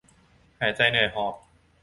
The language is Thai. หายใจเหนื่อยหอบ